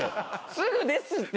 すぐですって。